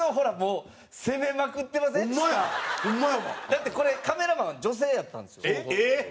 だってこれカメラマン女性やったんですよ。